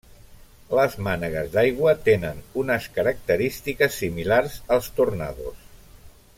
Les mànegues d'aigua tenen unes característiques similars als tornados.